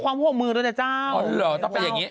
ความห่วงมือโดยเจ้าอ๋อหรอต้องไปอย่างนี้